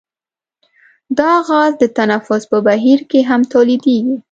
دا غاز د تنفس په بهیر کې هم تولیدیږي.